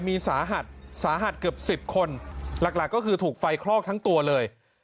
มีสาหัสสาหัสเกือบ๑๐คนหลักก็คือถูกไฟคลอกทั้งตัวเลย